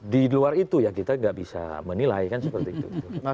di luar itu ya kita nggak bisa menilai kan seperti itu